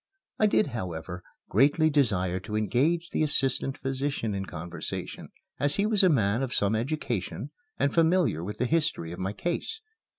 I did, however, greatly desire to engage the assistant physician in conversation, as he was a man of some education and familiar with the history of my case.